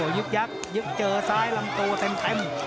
ยึกยักษ์เหยือกลังโตเต็ม